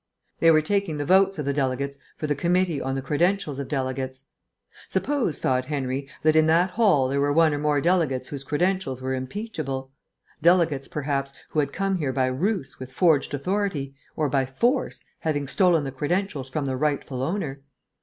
They were taking the votes of the delegates for the committee on the credentials of delegates. Suppose, thought Henry, that in that hall there were one or more delegates whose credentials were impeachable; delegates, perhaps who had come here by ruse with forged authority, or by force, having stolen the credentials from the rightful owner....